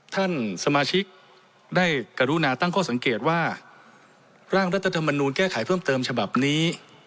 ท่านสมาชิกได้กรุณาตั้งข้อสังเกตว่าร่างรัฐธรรมนูลแก้ไขเพิ่มเติมฉบับนี้